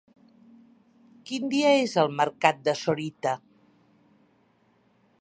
Quin dia és el mercat de Sorita?